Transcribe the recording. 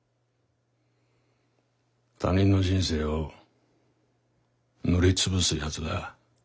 他人の人生を塗り潰すやつが嫌いだ。